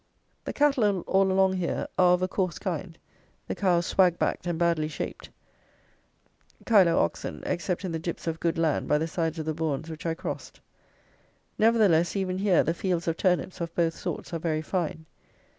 The cattle all along here are of a coarse kind; the cows swag backed and badly shaped; Kiloe oxen, except in the dips of good land by the sides of the bourns which I crossed. Nevertheless, even here, the fields of turnips, of both sorts, are very fine.